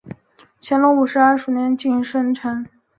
乾隆五十二年署荣县贡井县丞。